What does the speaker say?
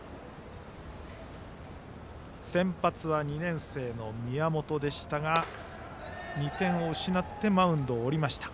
先発は２年生の宮本でしたが２点を失ってマウンドを降りました。